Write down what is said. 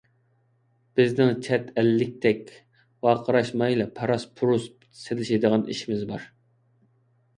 بىزنىڭ چەت ئەللىكتەك ۋارقىراشمايلا پاراس-پۇرۇس سېلىشىدىغان ئىشىمىز بار.